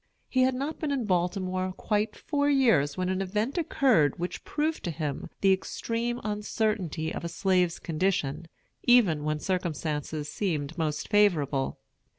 He had not been in Baltimore quite four years when an event occurred which proved to him the extreme uncertainty of a slave's condition, even when circumstances seemed the most favorable.